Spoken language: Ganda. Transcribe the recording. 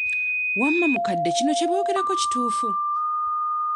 Wamma mukadde kino kye boogerako kituufu?